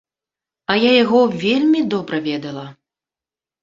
А я яго вельмі добра ведала.